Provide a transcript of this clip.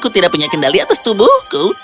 aku tidak punya kendali atas tubuhku